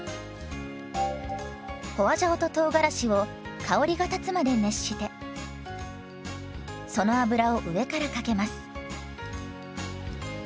花椒ととうがらしを香りが立つまで熱してその油を上からかけます。